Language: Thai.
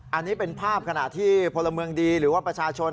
อันนี้เป็นภาพขณะที่พลเมืองดีหรือว่าประชาชน